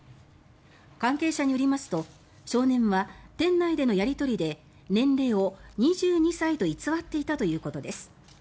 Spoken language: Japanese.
関係者によりますと少年は店内でのやり取りで年齢を２２歳と偽っていたということです。